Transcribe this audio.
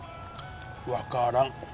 わからん。